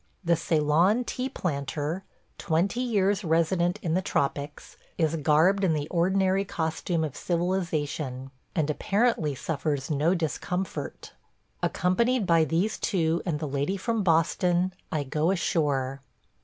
The Ceylon tea planter, twenty years resident in the tropics, is garbed in the ordinary costume of civilization, and apparently suffers no discomfort. Accompanied by these two and the lady from Boston, I go ashore.